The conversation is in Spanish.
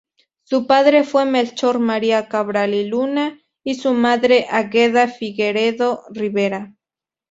Su padre fue Melchor María Cabral y Luna, y su madre Águeda Figueredo Rivera.